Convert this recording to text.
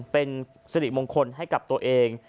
เป็นสิริมงคลให้กับตัวเอง